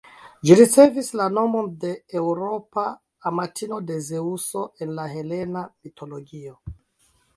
Ĝi ricevis la nomon de Eŭropa, amatino de Zeŭso en la helena mitologio.